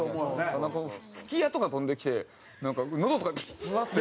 なんか吹き矢とか飛んできてなんかのどとかにプスッて刺さって。